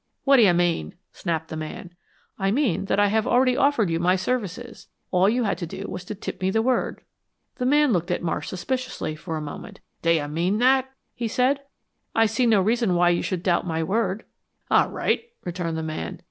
"What do you mean?" snapped the man. "I mean that I have already offered you my services. All you had to do was to tip me the word." The man looked at Marsh suspiciously for a moment. "Do you mean that?" he said. "I see no reason why you should doubt my word." "All right," returned the man.